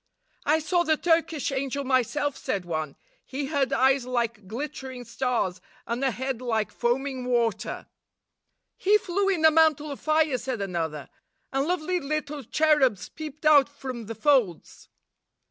"I saw the Turkish angel myself," said one. "He had eyes like glittering stars, and a head like foaming water." "He flew in a mantle of fire," said another; "and lovely little cherubs peeped out from the folds."